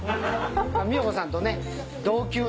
美代子さんとね同級の。